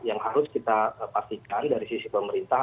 yang harus kita pastikan dari sisi pemerintah